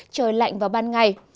trời lạnh vào ban ngày